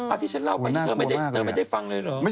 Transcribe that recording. ที่ฉันเล่าไปนี่เธอไม่ได้ฟังเลยเหรอ